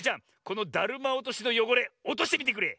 このだるまおとしのよごれおとしてみてくれ。